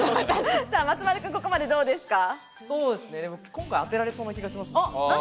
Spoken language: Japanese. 今回、当てられそうな気がします、僕。